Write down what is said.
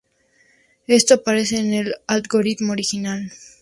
Esto aparece en el algoritmo original.